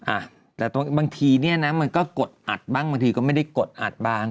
อ่ะแต่บางทีเนี่ยนะมันก็กดอัดบ้างบางทีก็ไม่ได้กดอัดบ้าง